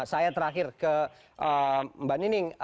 saya terakhir ke mbak nining